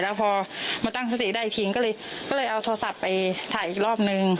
แล้วพอมาตั้งสติได้อีกทีก็เลยเอาโทรศัพท์ไปถ่ายอีกรอบนึง